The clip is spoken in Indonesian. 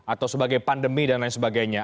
atau sebagai pandemi dan lain sebagainya